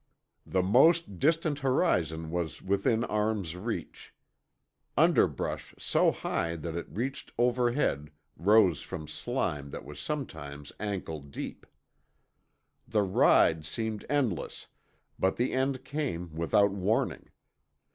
The most distant horizon was within arm's reach. Underbrush so high that it reached overhead rose from slime that was sometimes ankle deep. The ride seemed endless, but the end came without warning.